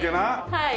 はい。